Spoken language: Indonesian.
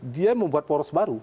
dia membuat poros baru